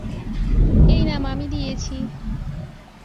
এই নাম আমি দিয়েছি।